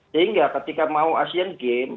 sehingga ketika mau asian games